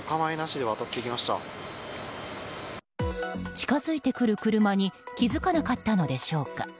近づいてくる車に気づかなかったのでしょうか。